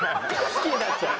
好きになっちゃう。